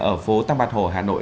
ở phố tăng bạc hồ hà nội